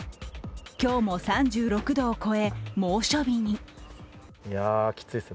今日も３６度を超え、猛暑日に。